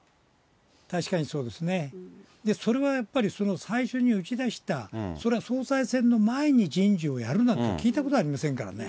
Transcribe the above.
確かにそうですね、それはやっぱり、最初に打ち出したそれは総裁選の前に人事をやるなんてことは聞いたことありませんからね。